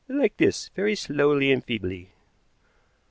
"Like this, very slowly and feebly."